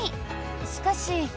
しかし。